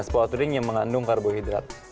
sport drink yang mengandung karbohidrat